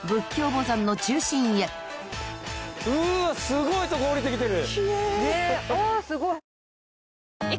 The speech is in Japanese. すごいとこ下りてきてる。